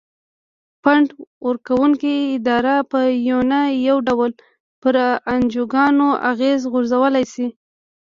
فنډ ورکوونکې ادارې په یو نه یو ډول پر انجوګانو اغیز غورځولای شي.